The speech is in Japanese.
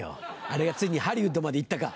あれがついにハリウッドまで行ったか。